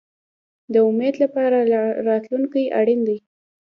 د امید لپاره راتلونکی اړین دی